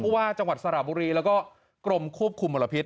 ว่าจังหวัดสระบุรีแล้วก็กรมควบคุมมลพิษ